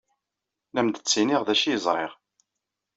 La am-d-ttiniɣ d acu ay ẓriɣ.